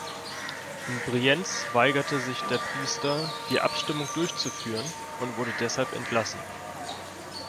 In Brienz weigerte sich der Priester, die Abstimmung durchzuführen, und wurde deshalb entlassen.